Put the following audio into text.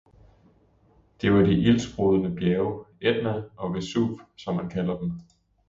- Det var de ildsprudende bjerge, Etna og Vesuv, som man kalder dem.